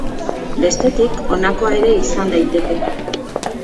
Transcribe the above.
Bestetik, honakoa ere izan daiteke.